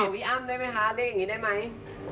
แฟนเก่าวิอัมได้ไหมคะเรียกอย่างนี้ได้ไหม